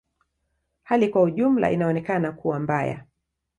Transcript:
Hali kwa ujumla inaonekana kuwa mbaya.